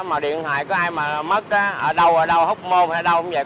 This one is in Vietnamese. mà điện thoại có ai mà mất đó ở đâu ở đâu hốc môn hay đâu cũng vậy